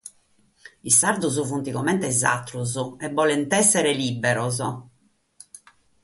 Is sardos funt comente is àteros, e bolint èssere liberos.